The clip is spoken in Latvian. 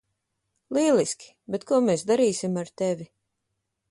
Lieliski, bet ko mēs darīsim ar tevi?